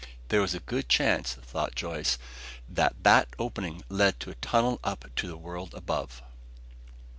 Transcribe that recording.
There was a good chance, thought Joyce, that that opening led to a tunnel up to the world above!